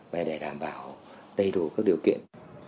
và để đảm bảo đầy đủ các điều kiện